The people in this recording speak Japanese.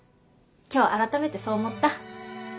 今日改めてそう思った。